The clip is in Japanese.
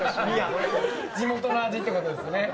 地元の味ってことですね。